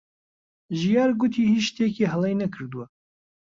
ژیار گوتی هیچ شتێکی هەڵەی نەکردووە.